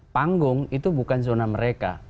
panggung itu bukan zona mereka